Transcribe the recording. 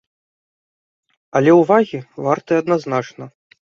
Але ўвагі варты адназначна.